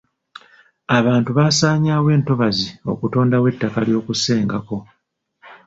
Abantu basaanyawo entobazi okutondawo ettaka ly'okusenga ko.